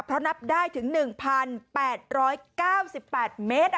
เพราะนับได้ถึง๑๘๙๘เมตร